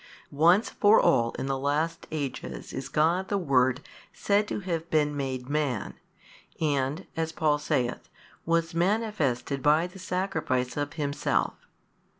Once for all in the last ages is God the Word said to have been made Man, and (as Paul saith) was manifested by the Sacrifice of Himself